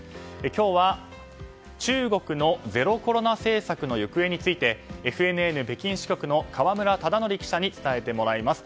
今日は、中国のゼロコロナ政策の行方についてＦＮＮ北京支局の河村忠徳記者に伝えてもらいます。